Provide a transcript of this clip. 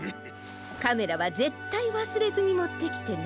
カメラはぜったいわすれずにもってきてね。